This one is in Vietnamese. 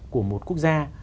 của một quốc gia